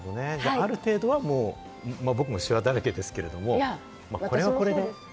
ある程度は僕もしわが垂れてるんですけれども、これはこれで。